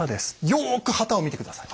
よく旗を見て下さい。